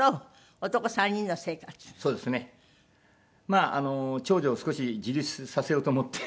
まあ長女を少し自立させようと思って。